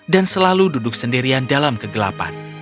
dan selalu duduk sendirian dalam kegelapan